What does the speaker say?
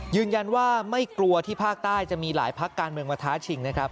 ยืนยันว่าไม่กลัวที่ภาคใต้จะมีหลายพักการเมืองมาท้าชิงนะครับ